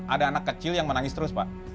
ada anak kecil yang menangis terus pak